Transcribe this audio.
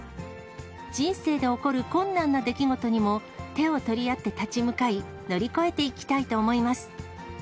人生で起こる困難な出来事にも手を取り合って立ち向かい、乗り越えていきたいと思います。